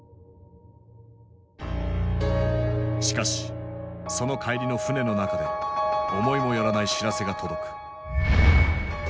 しかしその帰りの船の中で思いもよらない知らせが届く。